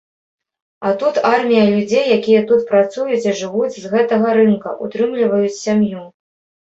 А тут армія людзей, якія тут працуюць і жывуць з гэтага рынка, утрымліваюць сям'ю.